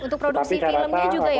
untuk produksi filmnya juga ya pak ya